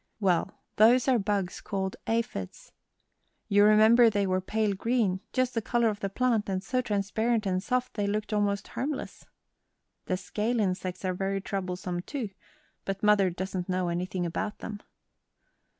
Well, those are bugs called aphids. You remember they were pale green, just the color of the plant, and so transparent and soft they looked most harmless. The scale insects are very troublesome, too, but mother doesn't know anything about them."